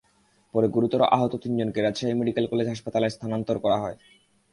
পরে গুরুতর আহত তিনজনকে রাজশাহী মেডিকেল কলেজ হাসপাতালে স্থানান্তর করা হয়।